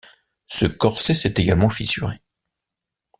Ce corset s'est également fissuré.